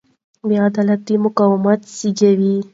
بې عدالتي مقاومت زېږوي